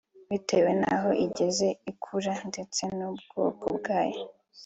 bitewe n’aho igeze ikura ndetse n’ubwoko bwayo